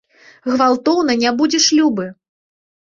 Гвалтоўна не будзеш любы.